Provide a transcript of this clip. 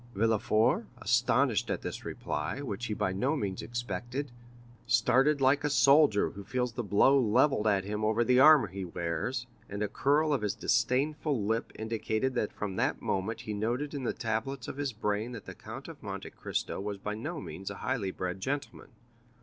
Villefort, astonished at this reply, which he by no means expected, started like a soldier who feels the blow levelled at him over the armor he wears, and a curl of his disdainful lip indicated that from that moment he noted in the tablets of his brain that the Count of Monte Cristo was by no means a highly bred gentleman.